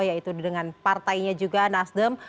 yaitu dengan partainya juga nasdem